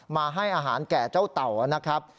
มาให้อาหารแก่เจ้าเต่านะครับ